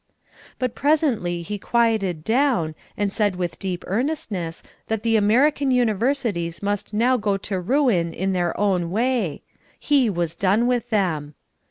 But presently he quieted down and said with deep earnestness that the American universities must now go to ruin in their own way. He was done with them.